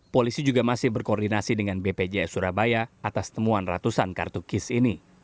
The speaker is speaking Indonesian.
polisi juga masih berkoordinasi dengan bpjs surabaya atas temuan ratusan kartu kis ini